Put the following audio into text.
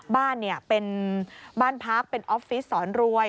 บ้านเป็นบ้านพักเป็นออฟฟิศสอนรวย